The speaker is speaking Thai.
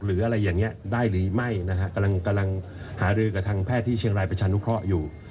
หรืออะไรอย่างนี้ได้หรือไม่นะฮะกำลังหารือกับทางแพทย์ที่เชียงรายประชานุเคราะห์อยู่